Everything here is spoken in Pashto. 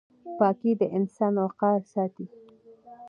پاکي د انسان وقار ساتي.